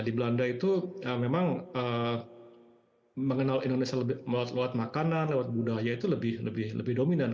di belanda itu memang mengenal indonesia lewat makanan lewat budaya itu lebih dominan